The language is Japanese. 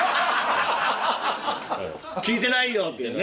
聞いてないよっていうね。